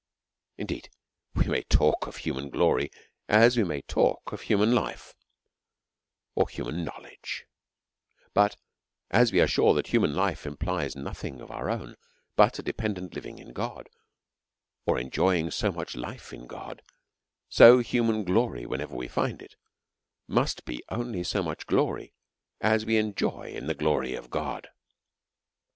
We indeed may talk of human giory, as we may talk of human life or human knowledge ; but as we are sure that human life iaipHes nothing of our own, but a dependent living in God^ or eiijoying so much life in God ; so human glory, whenever we find it, must be only so much glory as we enjoy in the glory of God.